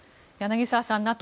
柳澤さん